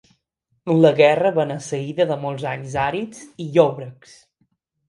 La guerra va anar seguida de molts anys àrids i llòbrecs.